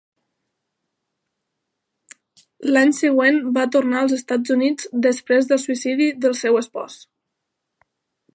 L'any següent va tornar als Estats Units després del suïcidi del seu espòs.